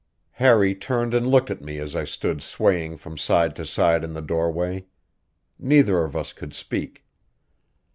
Harry turned and looked at me as I stood swaying from side to side in the doorway. Neither of us could speak.